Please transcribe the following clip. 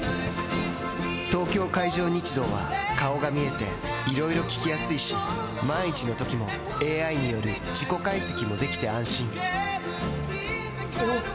東京海上日動は顔が見えていろいろ聞きやすいし万一のときもＡＩによる事故解析もできて安心おぉ！